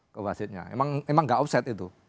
ke wasitnya emang emang enggak offset itu